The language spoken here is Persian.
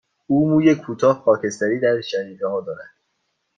او موی کوتاه، خاکستری در شقیقه ها دارد.